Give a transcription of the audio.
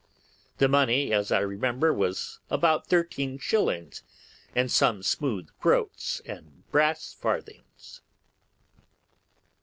The money, as I remember, was about thirteen shilling and some smooth groats and brass farthings.